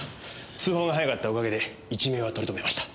通報が早かったおかげで一命は取り留めました。